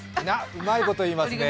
うまいこと言いますね。